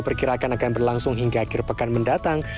perkirakan akan berlangsung hingga akhir pekan mendatang